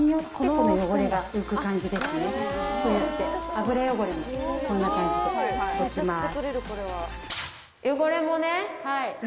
油汚れもこんな感じで落ちます。